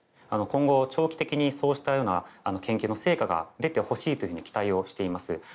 今後長期的にそうしたような研究の成果が出てほしいというふうに期待をしています。